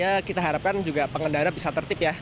ya kita harapkan juga pengendara bisa tertip ya